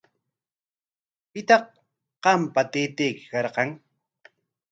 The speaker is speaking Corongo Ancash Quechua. ¿Pitaq qampa taytayki karqan?